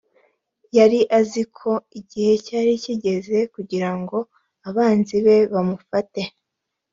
yari azi ko igihe cyari kigeze kugira ngo abanzi be bamufate